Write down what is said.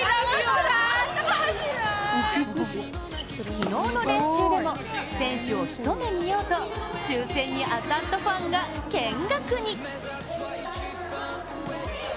昨日の練習でも、選手を一目見ようと抽選に当たったファンが見学に。